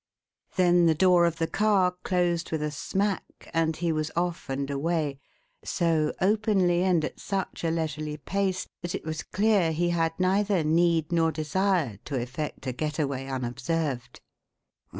Then the door of the car closed with a smack, and he was off and away so openly and at such a leisurely pace that it was clear he had neither need nor desire to effect a getaway unobserved.